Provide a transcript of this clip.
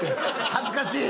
恥ずかしい！